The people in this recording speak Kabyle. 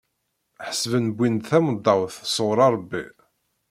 Ḥesben wwin-d tamendawt sɣur Rebbi.